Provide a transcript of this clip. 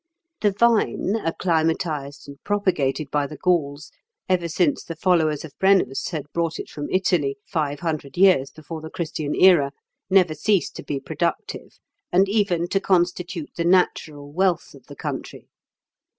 The vine, acclimatised and propagated by the Gauls, ever since the followers of Brennus had brought it from Italy, five hundred years before the Christian era, never ceased to be productive, and even to constitute the natural wealth of the country (Fig.